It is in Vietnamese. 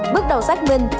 bước đầu xác minh